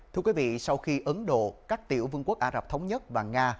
thưa quý vị sau khi ấn độ các tiểu vương quốc ả rập thống nhất và nga